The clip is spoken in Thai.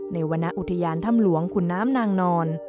ในวัณะอุทยานธรรมหลวงคุณน้ำนางนอน